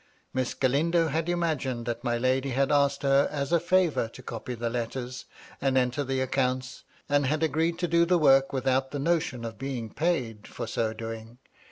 Miss Galindo had imagined that my lady had asked her as a favour to copy the letters, and enter the accounts, and had agreed to do the work without a notion of being paid for so doing.